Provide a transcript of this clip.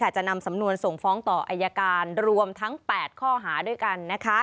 จะนำสำนวนส่งฟ้องต่ออายการรวมทั้ง๘ข้อหาด้วยกัน